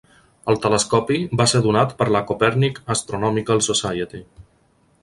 El telescopi va ser donat per la Kopernik Astronomical Society.